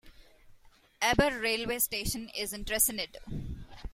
Aber railway station is in Trecenydd.